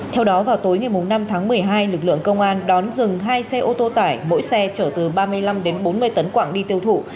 theo đó vào tối ngày năm tháng một mươi hai lực lượng công an đón dừng hai xe ô tô tải mỗi xe chở từ ba mươi năm đến bốn mươi tấn quảng đi tiêu thụ